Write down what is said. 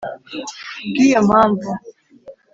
ku bw’iyo mpamvu